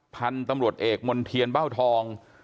พันธุ์ตำรวจเอกมณ์เทียนเบ้าทอง